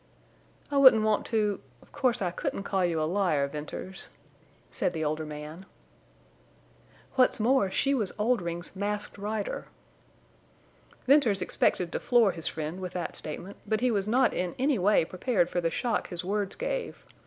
"I wouldn't want to—of course, I couldn't call you a liar, Venters," said the older man. "What's more, she was Oldring's Masked Rider!" Venters expected to floor his friend with that statement, but he was not in any way prepared for the shock his words gave.